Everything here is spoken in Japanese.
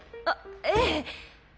あっえぇ。